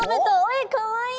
えかわいい！